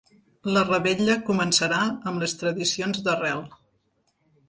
La revetlla començarà amb les tradicions d’arrel.